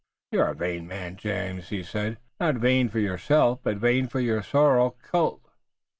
"You're a vain man, James," he said, "not vain for yourself, but vain for your sorrel colt."